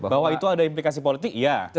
bahwa itu ada implikasi politik iya